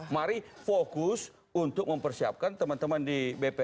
mari fokus untuk mempersiapkan teman teman di bpn